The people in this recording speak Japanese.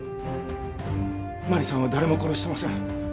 真里さんは誰も殺してません。